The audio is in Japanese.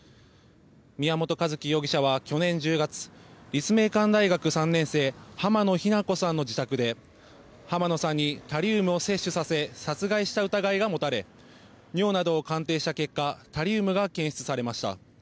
宮本一希容疑者は去年１０月立命館大学３年生浜野日菜子さんの自宅で浜野さんにタリウムを摂取させ殺害した疑いが持たれ尿などを鑑定した結果タリウムが検出されました。